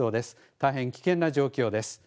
大変危険な状況です。